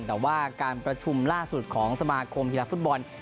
แต่ว่าการประชุมล่าสุดของสมาคมกีฬาฟุตบอล